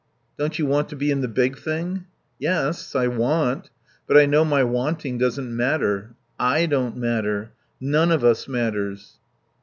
"Don't you want to be in the big thing?" "Yes. I want. But I know my wanting doesn't matter. I don't matter. None of us matters."